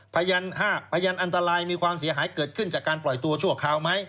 พยานอันตรายมีความเสียหายเกิดขึ้นจากการปล่อยตัวชั่วคราวไหม